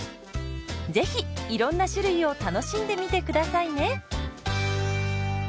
是非いろんな種類を楽しんでみて下さいね。